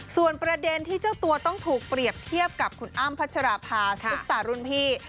ส่วนประเด็นที่เจ้าตัวต้องถูกเปรียบเทียบกับคุณอ้ำพัชราภาซุปตารุ่นพี่